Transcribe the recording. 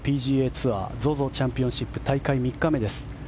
ツアーＺＯＺＯチャンピオンシップ大会３日目です。